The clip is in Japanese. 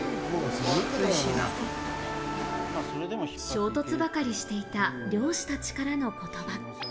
衝突ばかりしていた漁師たちからの言葉。